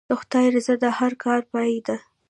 د خدای رضا د هر کار پای دی.